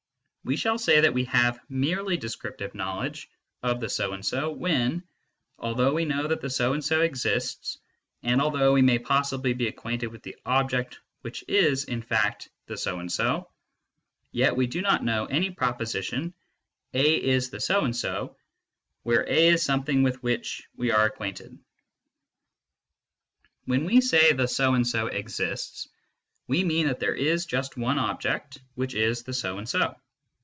We shall say that we have "^merely descriptive knowledge/ of the so and so when, although we know that the so and so exists/and although we may possibly be acquainted with the object which is, in fact, the so and so, yet we do not know any pro position " a is the so and so," where a is something with which we are acquainted. ^ When we say " the^ so and so ^xists," we mean that there is just one object which is the so and so.